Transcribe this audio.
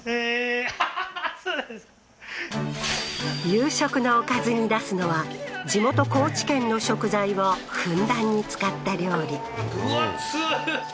夕食のおかずに出すのは地元高知県の食材をふんだんに使った料理分厚っ！